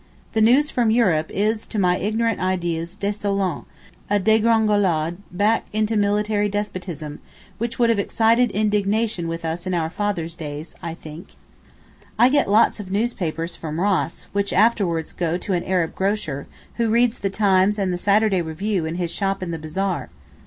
The news from Europe is to my ignorant ideas désolant, a dégringolade back into military despotism, which would have excited indignation with us in our fathers' days, I think. I get lots of newspapers from Ross, which afterwards go to an Arab grocer, who reads the Times and the Saturday Review in his shop in the bazaar!